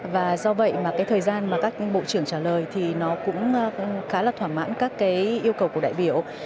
và do vậy mà cái thời gian mà các bộ trưởng trả lời thì nó cũng khá là thỏa mãn các cái yêu cầu của đại biểu